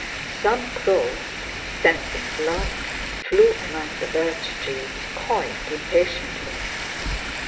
Some crows, scenting blood, flew among the birch trees cawing impatiently.